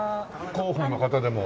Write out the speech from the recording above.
広報の方でも。